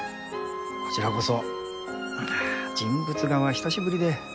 こちらこそあ人物画は久しぶりで。